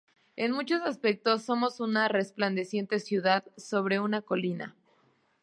En muchos aspectos somos una resplandeciente ciudad sobre una colina.